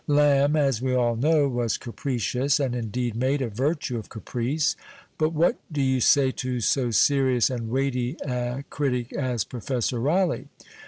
Lamb, as we all know, was capricious, and indeed made a virtue of caprice, but what do you say to so serious and weighty a critic as Professor Raleigh